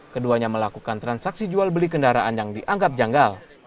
keduanya melakukan transaksi jual beli kendaraan yang dianggap janggal